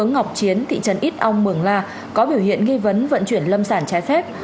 ngọc chiến thị trấn ít âu mường la có biểu hiện nghi vấn vận chuyển lâm sản trái phép